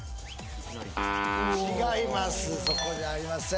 違います